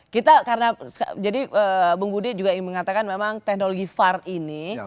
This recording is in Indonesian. kita karena jadi bung budi juga ingin mengatakan memang teknologi var ini